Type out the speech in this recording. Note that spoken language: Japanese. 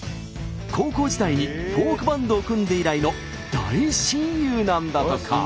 高校時代にフォークバンドを組んで以来の大親友なんだとか。